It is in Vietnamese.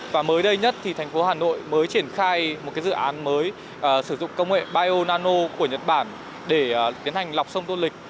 và mới đây nhất thì thành phố hà nội mới triển khai một dự án mới sử dụng công nghệ bionano của nhật bản để tiến hành lọc sông tô lịch